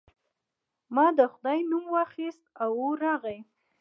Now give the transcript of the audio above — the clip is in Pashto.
ما د خدای نوم واخیست او اور راغی.